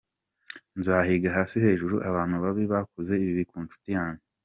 Nzahiga hasi hejuru abantu babi bakoze ibi ku nshuti yanjye.